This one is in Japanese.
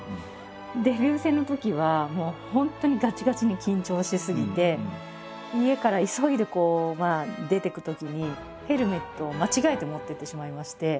デビュー戦のときはもう本当にガチガチに緊張しすぎて家から急いでこう出ていくときにヘルメットを間違えて持ってってしまいまして。